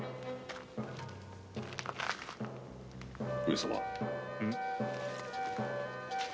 上様。